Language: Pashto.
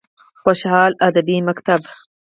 خوشحال ادبي مکتب: